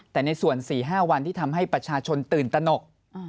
แต่ในส่วน๔๕วันที่ทำให้ประชาชนตื่นตนก